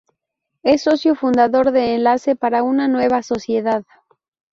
Es Socio Fundador de Enlace para una Nueva Sociedad.